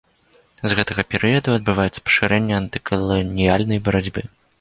З гэтага перыяду адбываецца пашырэнне антыкаланіяльнай барацьбы.